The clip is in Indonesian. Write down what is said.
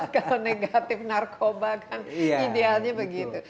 kalau negatif narkoba kan idealnya begitu